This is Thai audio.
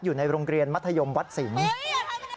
อยู่ในโรงเรียนมัธยมวัดศิลป์